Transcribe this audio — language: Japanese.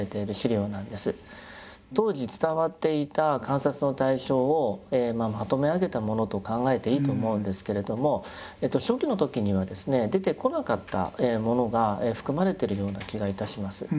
当時伝わっていた観察の対象をまとめ上げたものと考えていいと思うんですけれども初期の時にはですね出てこなかったものが含まれてるような気が致します。